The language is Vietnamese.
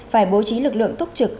phải bố trí lực lượng túc trực